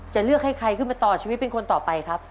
จะเลือกให้ใครขึ้นมาต่อชีวิตเป็นคนต่อไปครับ